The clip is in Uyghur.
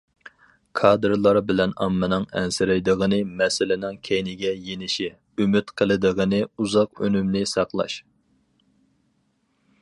كادىرلار بىلەن ئاممىنىڭ ئەنسىرەيدىغىنى مەسىلىنىڭ كەينىگە يېنىشى، ئۈمىد قىلىدىغىنى ئۇزاق ئۈنۈمنى ساقلاش.